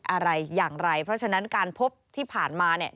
อะไรอย่างไรเพราะฉะนั้นการพบที่ผ่านมาเนี่ย